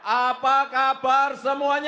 apa kabar semuanya